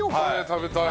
食べたい。